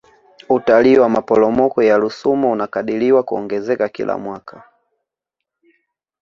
utalii wa maporomoko ya rusumo unakadiriwa kuongezeka kila mwaka